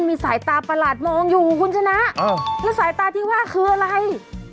มีสายตาประหลาดมองอยู่คุณชนะแล้วสายตาที่ว่าคืออะไร